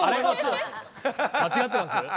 間違ってます？